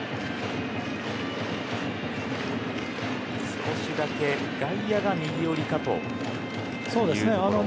少しだけ外野が右寄りかというところ。